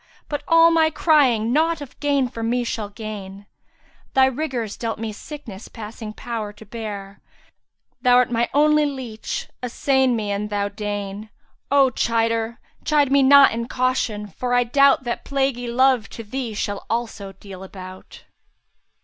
* But all my crying naught of gain for me shall gain: Thy rigours dealt me sickness passing power to bear, * Thou art my only leach, assain me an thou deign! O chider, chide me not in caution, for I doubt * That plaguey Love to thee shall also deal a bout."